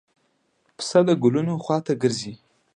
پسه د ګلونو خوا ته ګرځي.